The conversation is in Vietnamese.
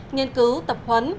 nghiên cứu tập huấn